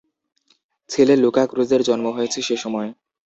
ছেলে লুকা ক্রুজের জন্ম হয়েছে সে সময়।